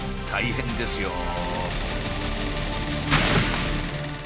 大変ですよ。